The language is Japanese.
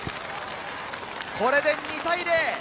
これで２対０。